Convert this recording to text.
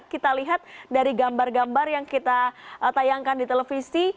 kita lihat dari gambar gambar yang kita tayangkan di televisi